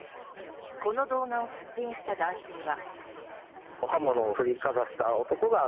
この動画を撮影した男性は。